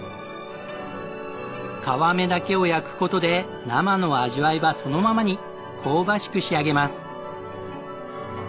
皮目だけを焼く事で生の味わいはそのままに香ばしく仕上げます。